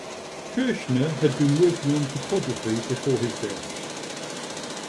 Kershner had been working on photography before his death.